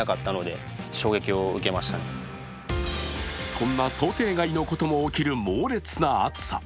こんな想定外のことも起きる猛烈な暑さ。